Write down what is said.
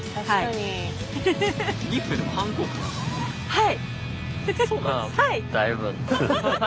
はい！